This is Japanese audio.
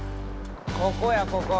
ここやここ。